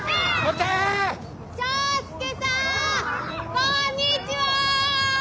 こんにちは！